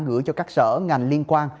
gửi cho các sở ngành liên quan